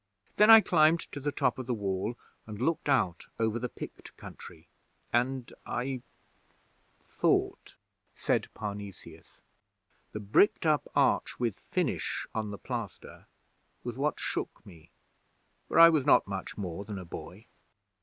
Then I climbed to the top of the Wall, and looked out over the Pict country, and I thought,' said Parnesius. 'The bricked up arch with "Finish!" on the plaster was what shook me, for I was not much more than a boy.'